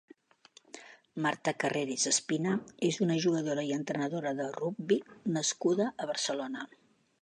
Marta Carreras Espina és una jugadora i entrenadora de rugbi nascuda a Barcelona.